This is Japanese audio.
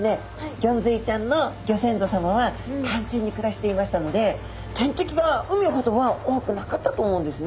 ギョンズイちゃんのギョ先祖さまは淡水に暮らしていましたので天敵が海ほどは多くなかったと思うんですね。